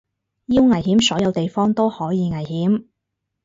要危險所有地方都可以危險